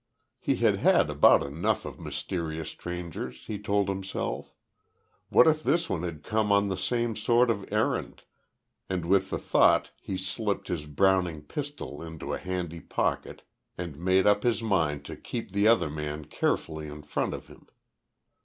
He had had about enough of mysterious strangers, he told himself. What if this one had come on the same sort of errand, and with the thought he slipped his Browning pistol into a handy pocket, and made up his mind to keep the other man carefully in front of him.